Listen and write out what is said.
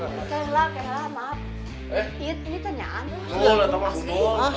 kek kak maaf